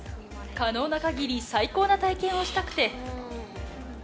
可能なかぎり、最高な体験をしたくて。